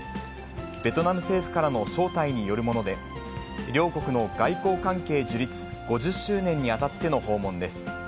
ベトナム政府からの招待によるもので、両国の外交関係樹立５０周年にあたっての訪問です。